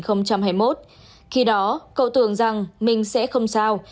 khi đó cậu tưởng rằng mình sẽ không sao